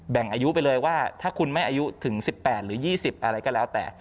อายุไปเลยว่าถ้าคุณไม่อายุถึง๑๘หรือ๒๐อะไรก็แล้วแต่